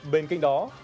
bên cạnh đó